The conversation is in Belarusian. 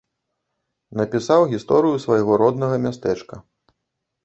Напісаў гісторыю свайго роднага мястэчка.